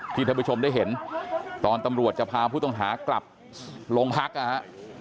ท่านผู้ชมได้เห็นตอนตำรวจจะพาผู้ต้องหากลับโรงพักนะฮะ